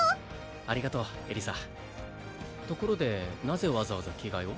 ありがとうエリサところでなぜわざわざ着替えを？